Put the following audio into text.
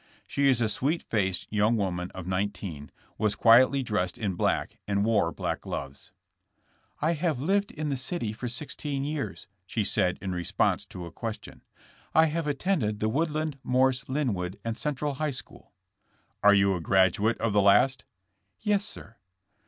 She is a sweet faced young woman of nineteen, was quietly dressed in black and wore black gloves. *'I have lived in the city for sixteen years,*' she said in response to a question. I have attended the Woodland, Morse, Linwood, and Central High school. '' "You are a graduate of the last?*' *'Yes, sir."